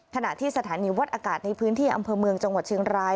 ขณะที่สถานีวัดอากาศในพื้นที่อำเภอเมืองจังหวัดเชียงราย